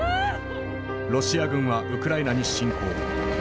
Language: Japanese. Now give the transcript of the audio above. ロシア軍はウクライナに侵攻。